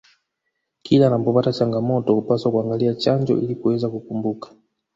kila anapopata changamoto hupaswa kuangalia chanjo ili kuweza kukumbuka